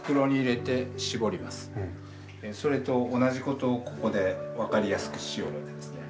それと同じことをここで分かりやすくしよるわけですね。